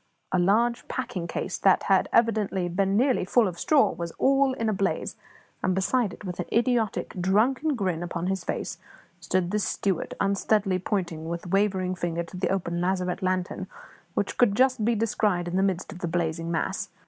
A large packing case that had evidently been nearly full of straw was all in a blaze, and beside it, with an idiotic, drunken grin upon his face, stood the steward, unsteadily pointing with wavering finger to the open lazarette lantern, which could just be descried in the midst of the blazing mass.